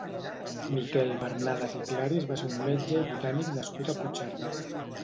Miquel Bernades i Claris va ser un metge i botànic nascut a Puigcerdà.